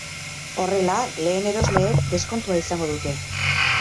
Horrela, lehen erosleek deskontua izango dute.